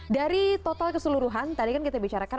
dari total keseluruhan tadi kan kita bicarakan